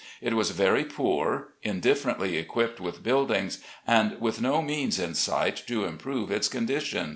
It was very poor, indifferently equipped with buildings, and with no means in sight to improve its condition.